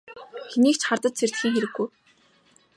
Хэнийг ч хардаж сэрдэхийн хэрэггүй.